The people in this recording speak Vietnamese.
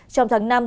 trong tháng năm